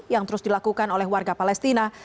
yang terus dilakukan oleh warga palestina